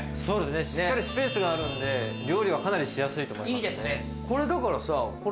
しっかりスペースがあるんで料理かなりしやすいと思います。